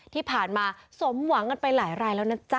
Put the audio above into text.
ที่ผ่านมาสมหวังกันไปหลายรายแล้วนะจ๊ะ